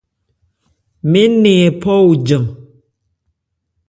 Mɛɛ́n nɛ hɛ̀ phɔ òjan.